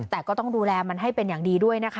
แต่ก็ต้องดูแลมันให้เป็นอย่างดีด้วยนะคะ